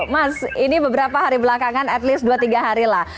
mas ini beberapa hari belakangan at least dua tiga hari lah